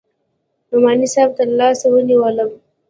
نعماني صاحب تر لاس ونيولم.